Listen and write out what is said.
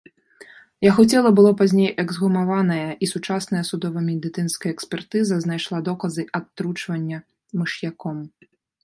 Яго цела было пазней эксгумаванае, і сучасная судова-медыцынская экспертыза знайшла доказы атручвання мыш'яком.